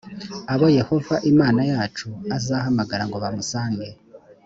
abo yehova imana yacu azahamagara ngo bamusange